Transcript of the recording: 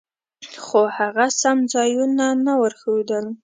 خو هغه سم ځایونه نه ورښودل.